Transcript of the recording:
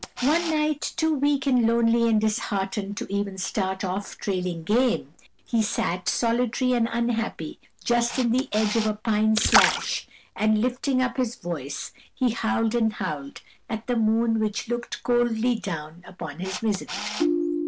One night, too weak and lonely and disheartened to even start off trailing game, he sat solitary and unhappy just in the edge of a pine slash and lifting up his voice he howled and howled at the moon which looked coldly down upon his misery.